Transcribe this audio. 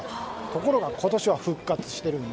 ところが今年は復活しました。